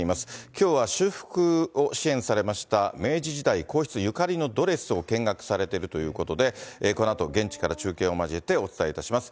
きょうは修復を支援されました、明治時代皇室ゆかりのドレスを見学されているということで、このあと現地から中継を交えてお伝えいたします。